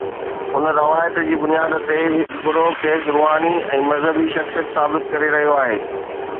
ان روايت جي بنياد تي هڪ گروهه کيس روحاني ۽ مذهبي شخصيت ثابت ڪري رهيو آهي.